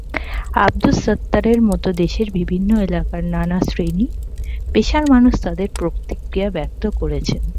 আবদুস সাত্তারের মতো দেশের বিভিন্ন এলাকার নানা শ্রেণী-পেশার মানুষ তাঁদের প্রতিক্রিয়া ব্যক্ত করেছেন।